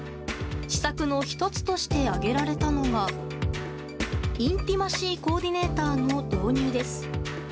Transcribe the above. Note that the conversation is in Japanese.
施策の１つとして挙げられたのがインティマシー・コーディネーターの導入です。